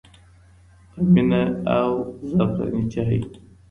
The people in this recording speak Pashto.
په مینه او زعفراني چای.